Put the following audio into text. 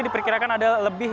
diperkirakan ada lebih